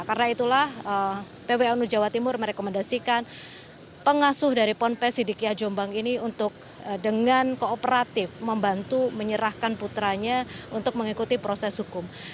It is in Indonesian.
karena itulah pwnu jawa timur merekomendasikan pengasuh dari ponpes di kia jombang ini untuk dengan kooperatif membantu menyerahkan putranya untuk mengikuti proses hukum